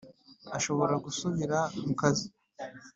ashobora gusubira mu kazi